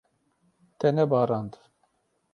Te nebarand.